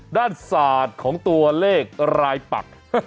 ศาสตร์ของตัวเลขรายปัก